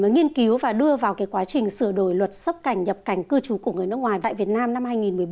nghiên cứu và đưa vào quá trình sửa đổi luật xuất cảnh nhập cảnh cư trú của người nước ngoài tại việt nam năm hai nghìn một mươi bốn